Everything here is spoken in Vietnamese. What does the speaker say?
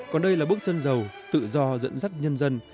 còn đây là bức sân giàu tự do dẫn dắt nhân dân